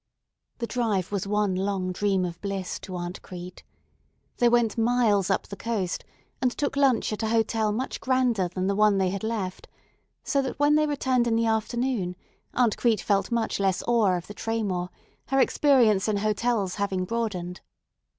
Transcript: The drive was one long dream of bliss to Aunt Crete. They went miles up the coast, and took lunch at a hotel much grander than the one they had left, so that when they returned in the afternoon Aunt Crete felt much less awe of the Traymore, her experience in hotels having broadened.